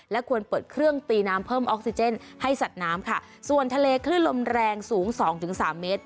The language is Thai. ควรเปิดเครื่องตีน้ำเพิ่มออกซิเจนให้สัตว์น้ำค่ะส่วนทะเลคลื่นลมแรงสูงสองถึงสามเมตร